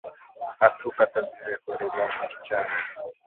Atu kataziwe ku rima mu kichanga